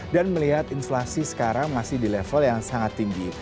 dan melihat inflasi sekarang masih di level yang sangat tinggi